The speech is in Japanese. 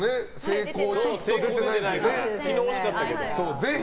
昨日惜しかったけど。